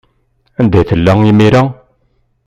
Anda tella imir-a?